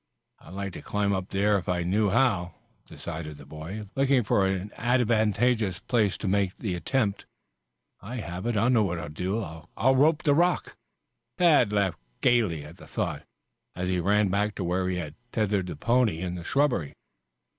"I'd like to climb up there if I knew how," decided the boy, looking for an advantageous place to make the attempt. "I have it. I know what I'll do. I'll rope the rock." Tad laughed gayly at the thought as he ran back to where he had tethered the pony in the shrubbery.